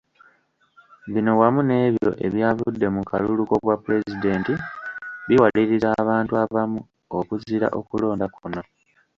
Bino wamu nebyo ebyavudde mu kalulu k’obwapulezidenti biwaliriza abantu abamu okuzira okulonda kuno.